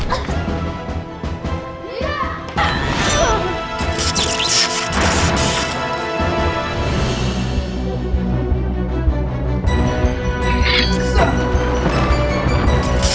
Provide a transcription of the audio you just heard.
apa allah menyapaairu